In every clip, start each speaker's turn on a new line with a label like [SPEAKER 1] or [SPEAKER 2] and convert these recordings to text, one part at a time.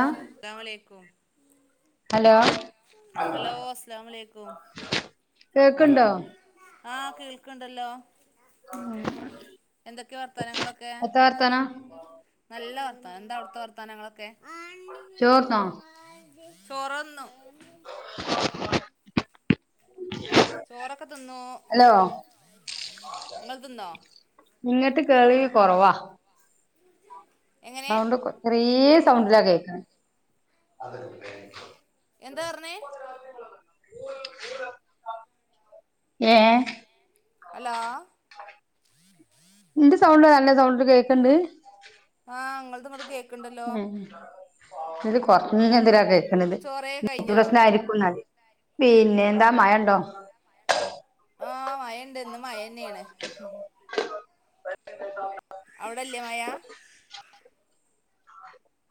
[SPEAKER 1] ആ
[SPEAKER 2] അസ്സലാമുഅലൈക്കും
[SPEAKER 1] hello
[SPEAKER 2] hello അസ്സലാമുഅലൈക്കും
[SPEAKER 1] കേക്ക്ണ്ടോ
[SPEAKER 2] ആഹ് കേൾക്ക്ണ്ടല്ലോ. എന്തൊക്കെ വർത്താനങ്ങളൊക്കെ?
[SPEAKER 1] ത്ത വർത്താനം
[SPEAKER 2] നല്ല വർത്താനം എന്താ അവ്ട്ത്തെ വർത്താനങ്ങളൊക്കെ
[SPEAKER 1] ചോറ്ന്നോ?
[SPEAKER 2] ചോറ്ന്നു
[SPEAKER 1] [inaudible]
[SPEAKER 2] ചോറൊക്കെ തിന്നു
[SPEAKER 1] ഹലോ
[SPEAKER 2] ഇങ്ങള് തിന്നോ?
[SPEAKER 1] ഇങ്ങട്ട് കേൾവി കൊറവാ
[SPEAKER 2] എങ്ങനെ
[SPEAKER 1] സൗണ്ട് ചെറീ സൗണ്ടില കേൾക്ക
[SPEAKER 2] എന്താപർഞ്ഞേ
[SPEAKER 1] [inaudible] ഏഹ്
[SPEAKER 2] ഹലോ
[SPEAKER 1] ന്റെ സൗണ്ട് നല്ല സൗണ്ടിൽ കേക്ക്ണ്ട്
[SPEAKER 2] ആഹ് ങ്ങൾത്ങ്ങട്ട് കേക്ക്
[SPEAKER 1] മ്മ് ഇത് കൊർച്ങ്ങനാ കേക്കണത്
[SPEAKER 2] ചോറേ
[SPEAKER 1] നെറ്റ്
[SPEAKER 2] കഴിഞ്ഞോ
[SPEAKER 1] പ്രശ്നായിരിക്കും ന്നാല് പിന്നെന്താ മഴ ഇണ്ടോ?
[SPEAKER 2] ആഹ് മയണ്ട് ഇന്ന് മഴന്നേണ്
[SPEAKER 1] [inaudible]
[SPEAKER 2] അവടല്ലേ മയാ?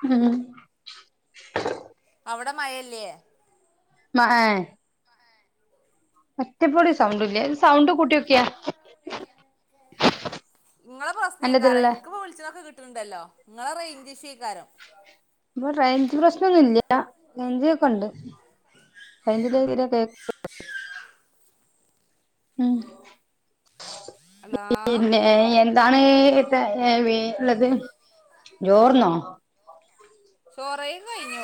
[SPEAKER 1] ഉം
[SPEAKER 2] അവടെ മഴല്ലേ?
[SPEAKER 1] മെ ഏഹ്
[SPEAKER 2] ആ ആഹ്
[SPEAKER 1] ഒറ്റപൊടി സൗണ്ടില്ല സൗണ്ട് കൂട്ട്യോക്കിയാ.
[SPEAKER 2] ഇങ്ങളെ പ്രശ്നയ്ക്കാരം ഇൻക്പ്പോ വിൾച്ചതൊക്കെ കിട്ട്ണ്ടല്ലോ ഇങ്ങളെ റെയ്ഞ്ചിഷു അയ്ക്കാരം
[SPEAKER 1] പ്പൊ റെയ്ഞ്ച് പ്രശ്നൊന്നും ഇല്ല റെയ്ഞ്ചോക്കണ്ട് റെയ്ഞ്ചില്ലെങ്കി തീരെ കേക്കു ഉം
[SPEAKER 2] ഹലോ
[SPEAKER 1] ഏയ് എന്താണ് എത്ത ഏ വെ ള്ളത് ജോർന്നോ?
[SPEAKER 2] ചോറെയിക്കെ കഴിഞ്ഞു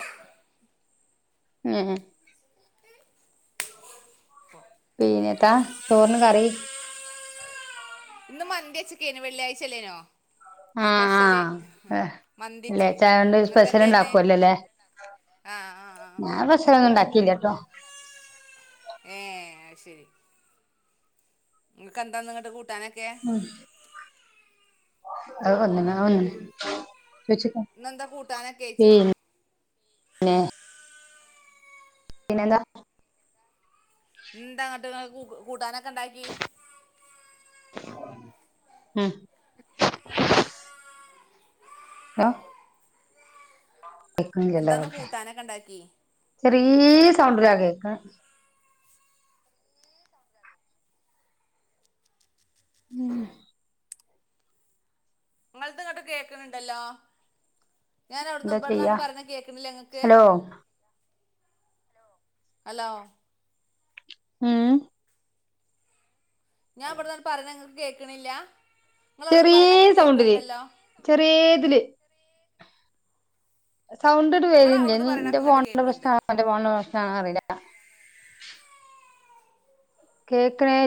[SPEAKER 1] ഏഹ് പിന്നത്താ ചോറിന് കറി?
[SPEAKER 2] ഇന്ന് മന്തിച്ചക്കേന് വെള്ളിയാഴ്ചല്ലേനോ
[SPEAKER 1] ഉം
[SPEAKER 2] സ്പെഷ്യല്
[SPEAKER 1] ഉം
[SPEAKER 2] മന്തിച്ചു
[SPEAKER 1] വെള്ളിയാഴ്ചായോണ്ട്
[SPEAKER 2] നിങ്ങൾക്ക് എന്തേന്ന്
[SPEAKER 1] സ്പെഷ്യല്ണ്ടാക്കുവല്ലോല്ലേ.
[SPEAKER 2] ആ
[SPEAKER 1] ഞാൻ സ്പെഷ്യലൊന്നും ഇണ്ടാക്കീട്ടില്ലട്ടോ
[SPEAKER 2] ഏഹ് അയ്ശെരി ഇങ്ങക്ക് ന്താ ന്ന്ങ്ങ്ട്ട് കൂട്ടാനൊക്കെ?
[SPEAKER 1] മയ്. അത വന്ന്ണേയ് ച്ചേയ്ച്ചേക്കാ
[SPEAKER 2] ഇന്നെന്താ കൂട്ടാനൊക്കെ അയച്ച
[SPEAKER 1] ഏയ് [unintelligible] പിന്നെന്താ?
[SPEAKER 2] ന്താന്നെട്ട് ങ്ങള് കൂട്ടാനൊക്കെണ്ടാക്കി.
[SPEAKER 1] ഉം [unintelligible] കെക്ക്ണില്ലല്ലേ.
[SPEAKER 2] എന്താന്ന് കൂട്ടാനൊക്കെ ഉണ്ടാക്കി
[SPEAKER 1] ചെറിയെ സൗണ്ടിലാ കേക്ക ഉം
[SPEAKER 2] ഇങ്ങൾത് ഇങ്ങെണ്ട് കേക്ക്ണ് ണ്ടല്ലോ. ഞാനവിട്ന്ന്,
[SPEAKER 1] എന്താ ചെയ്യാ
[SPEAKER 2] ഇവിട്ന്നാണ്ട്, പറയ്ണെത് കേക്ക്ണില്ലെ ങ്ങക്ക്.
[SPEAKER 1] Hello
[SPEAKER 2] hello.
[SPEAKER 1] ഉം
[SPEAKER 2] ഞാ ഇവിട്ന്നാണ്ട് പറിണത് ങ്ങക്ക് കേക്ക്ണില്ലാ. ഇങ്ങളവിടെന്ന് പറിണെതെക്കെ കേക്ക്ണ്ടല്ലോ.
[SPEAKER 1] ചെറിയെ തില്. സൗണ്ട് ണ്ട്
[SPEAKER 2] നിങ്ങൾ
[SPEAKER 1] വരില്ലൃ
[SPEAKER 2] അവിടുന്ന്
[SPEAKER 1] ഞ്ഞി
[SPEAKER 2] പറയണൊക്കെ ഇങ്ങോട്ട്
[SPEAKER 1] ഇൻ്റെഫോണിന്റെ പ്രശ്നാ.
[SPEAKER 2] കേൾക്കുന്നുണ്ട്
[SPEAKER 1] ആന്റെ ഫോണിന്റെ പ്രശ്നാന്നറീല. കേക്ക്ണേ